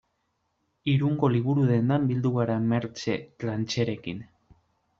Irungo liburu-dendan bildu gara Mertxe Trancherekin.